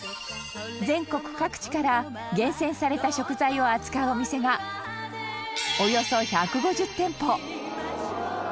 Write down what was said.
全国各地から厳選された食材を扱うお店がおよそ１５０店舗